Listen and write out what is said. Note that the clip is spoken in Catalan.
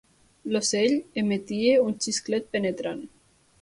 L'ocell emetia un xisclet penetrant.